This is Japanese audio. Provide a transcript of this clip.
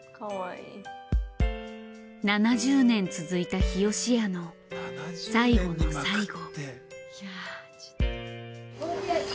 ７０年続いた日よしやの最後の最後。